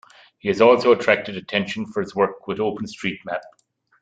He has also attracted attention for his work with OpenStreetMap.